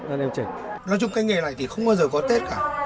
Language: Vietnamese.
nói chung cái nghề này thì không bao giờ có tết cả